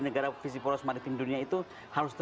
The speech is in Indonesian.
negara visi poros maritim dunia itu harus